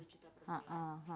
dua juta per bulan